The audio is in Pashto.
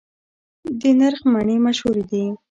د نرخ مڼې مشهورې دي